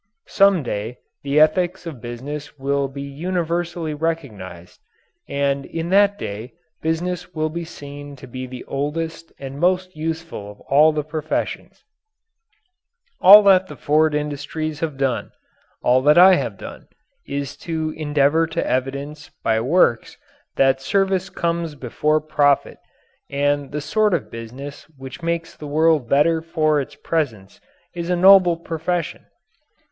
Some day the ethics of business will be universally recognized, and in that day business will be seen to be the oldest and most useful of all the professions. All that the Ford industries have done all that I have done is to endeavour to evidence by works that service comes before profit and that the sort of business which makes the world better for its presence is a noble profession.